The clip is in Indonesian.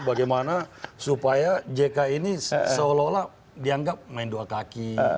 bagaimana supaya jk ini seolah olah dianggap main dua kaki